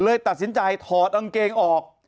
เลยตัดสินใจถอดกางเกงออก